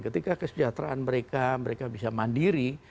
ketika kesejahteraan mereka mereka bisa mandiri